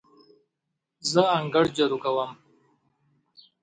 زه انګړ جارو کوم.